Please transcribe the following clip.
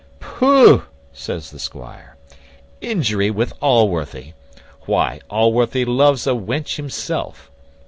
"Poogh!" says the squire: "Injury, with Allworthy! Why, Allworthy loves a wench himself.